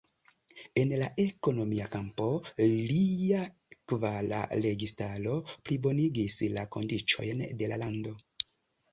En la ekonomia kampo, lia kvara registaro plibonigis la kondiĉojn de la lando.